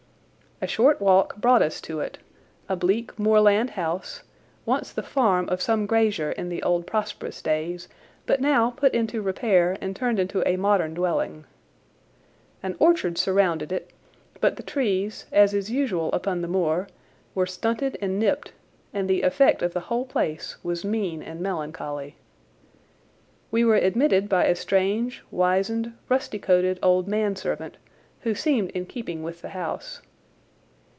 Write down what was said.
A short walk brought us to it, a bleak moorland house, once the farm of some grazier in the old prosperous days, but now put into repair and turned into a modern dwelling. An orchard surrounded it, but the trees, as is usual upon the moor, were stunted and nipped, and the effect of the whole place was mean and melancholy. We were admitted by a strange, wizened, rusty coated old manservant, who seemed in keeping with the house.